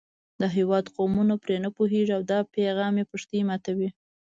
د هېواد قومونه پرې نه پوهېږي او دا پیغام یې پښتۍ ماتوي.